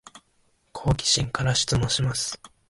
好奇心から質問します